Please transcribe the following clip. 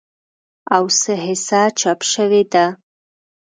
او څه حصه چاپ شوې ده